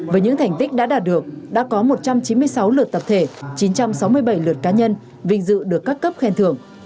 với những thành tích đã đạt được đã có một trăm chín mươi sáu lượt tập thể chín trăm sáu mươi bảy lượt cá nhân vinh dự được các cấp khen thưởng